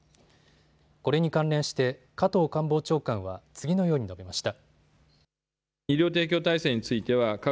これに関連して加藤官房長官は次のように述べました。